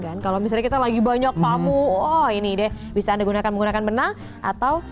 kan kalau misalnya kita lagi banyak tamu oh ini deh bisa anda gunakan menggunakan benang atau